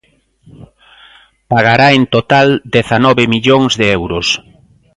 Pagará en total dezanove millóns de euros.